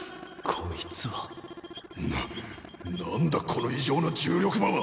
こいつはな何だこの異常な重力場は！